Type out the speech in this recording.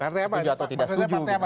itu jatuh tidak setuju